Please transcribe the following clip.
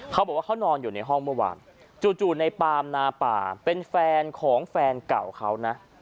เขาบอกว่าเขานอนอยู่ในห้องเมื่อวานจู่ในปามนาป่าเป็นแฟนของแฟนเก่าเขานะ